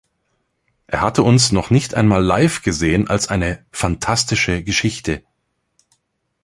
Er hatte uns noch nicht einmal live gesehen" als eine "fantastische Geschichte".